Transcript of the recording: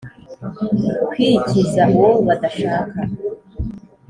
kwikiza uwo badashaka.